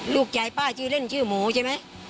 ลูกชายป้าชื่อเล่นชื่อหมูใช่ไหม